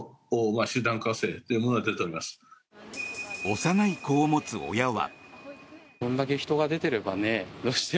幼い子を持つ親は。